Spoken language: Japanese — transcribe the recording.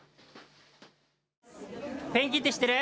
ペンキって知ってる？